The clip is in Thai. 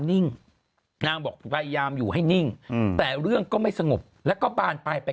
นิ่งนางบอกพยายามอยู่ให้นิ่งแต่เรื่องก็ไม่สงบแล้วก็บานไปไป